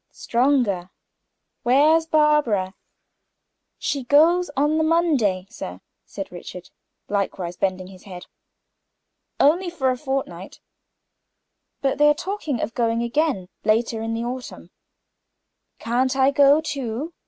"Stronger. Where's Barbara?" "She goes on Monday, sir," said Richard, likewise bending his head. "Only for a fortnight. But they talk of going again later in the autumn." "Can't I go, too?"